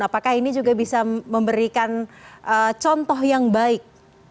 apakah ini juga bisa memberikan contoh yang baik